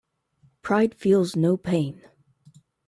Pride feels no pain.